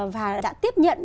và đã tiếp nhận